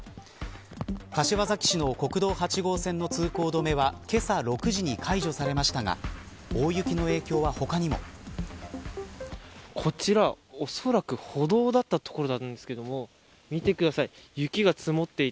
柏崎市の国道８号線の通行止めはけさ６時に解除されましたがこちら、おそらく歩道だった所なんですが見てください。